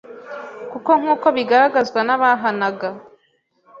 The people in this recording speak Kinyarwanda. Kuko nk’uko bigaragazwa n’abahanaga